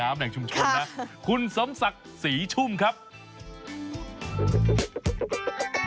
แหล่งชุมชนนะคุณสมศักดิ์ศรีชุ่มครับ